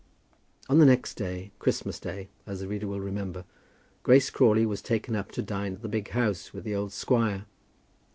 On the next day, Christmas Day, as the reader will remember, Grace Crawley was taken up to dine at the big house with the old squire.